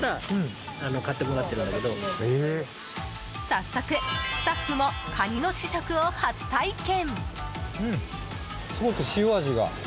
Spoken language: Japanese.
早速、スタッフもカニの試食を初体験。